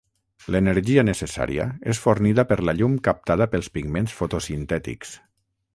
L'energia necessària és fornida per la llum captada pels pigments fotosintètics.